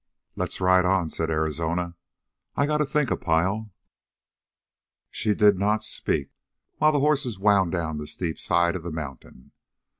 "Let's ride on," said Arizona. "I got to think a pile." She did not speak, while the horses wound down the steep side of the mountain.